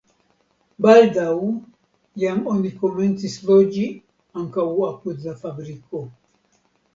Baldaŭ jam oni komencis loĝi ankaŭ apud la fabriko.